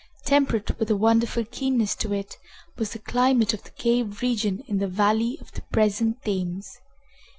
Temperate, with a wonderful keenness to it, was the climate of the cave region in the valley of the present Thames.